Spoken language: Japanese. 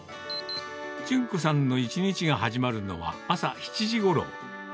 順子さんの一日が始まるのは、朝７時ごろ。